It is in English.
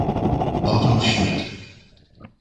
Otto Schmidt.